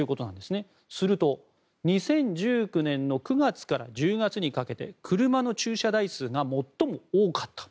すると２０１９年の９月から１０月にかけて車の駐車台数が最も多かった。